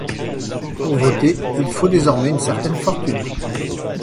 Pour voter, il faut désormais une certaine fortune.